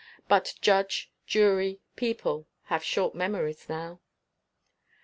But judge, jury, people have short memories now.